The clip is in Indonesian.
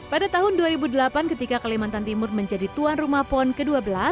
pada tahun dua ribu delapan ketika kalimantan timur menjadi tuan rumah pon ke dua belas